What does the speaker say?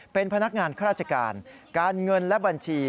เป็นพนักงานข้าราชการการเงินและบัญชี